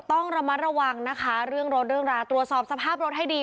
ต้องระมัดระวังนะคะเรื่องรถเรื่องราวตรวจสอบสภาพรถให้ดี